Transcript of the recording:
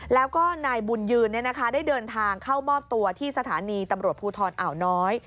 แล้วก็นายบุญยืนได้เดินทางเข้ามอบตัวที่สถานีตำรวจภูทรอ่าวน้อย